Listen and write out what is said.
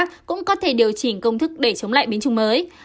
chúng cũng có thể điều chỉnh công thức để chống lại biến chủng mới